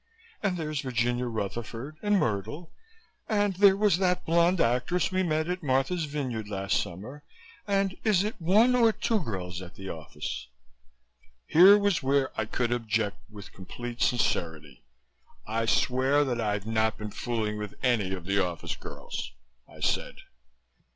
And there's Virginia Rutherford and Myrtle, and there was that blonde actress we met at Martha's Vineyard last summer, and is it one or two girls at the office?" Here was where I could object with complete sincerity. "I swear that I've not been fooling with any of the office girls," I said.